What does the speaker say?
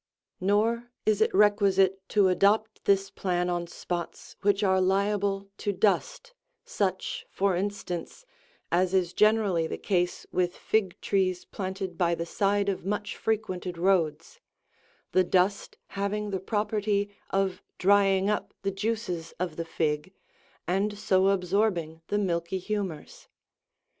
Nor is it requisite to adopt this plan on spots which are liable to dust, such, for instance, as is generally the case with fig trees planted by the side of much frequented roads : the dust having the property of drying up82 the juices of the fig, and so absorbing the milky humours.